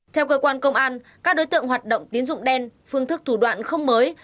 theo cơ quan công an các đối tượng hoạt động tín dụng đen phương thức thủ đoạn không mới